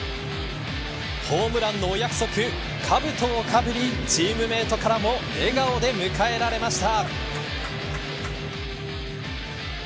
ホームランのお約束かぶとをかぶりチームメートからも笑顔で迎えられました。